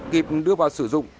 kịp đưa vào sử dụng